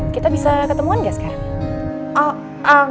kita bisa ketemuan gak sekarang